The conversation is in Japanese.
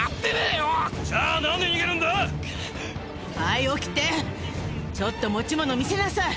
はい起きてちょっと持ち物見せなさい。